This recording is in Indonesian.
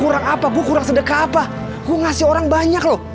lu sedekah apa gua ngasih orang banyak loh